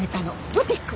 ブティック。